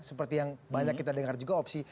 seperti yang banyak kita dengar juga opsi